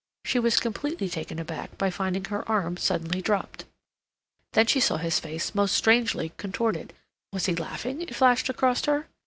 She was completely taken aback by finding her arm suddenly dropped; then she saw his face most strangely contorted; was he laughing, it flashed across her?